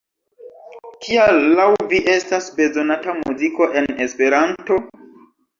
Kial laŭ vi estas bezonata muziko en Esperanto?